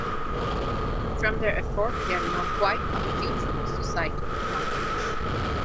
From their effort, there are now quite a few film society in Bangladesh.